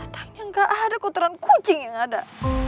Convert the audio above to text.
tangnya nggak presente kotoran kucing yang ada